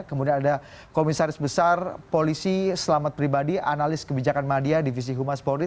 kemudian ada komisaris besar polisi selamat pribadi analis kebijakan media di jawa barat